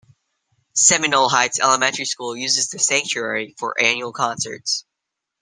Seminole Heights Elementary School uses the sanctuary for annual concerts.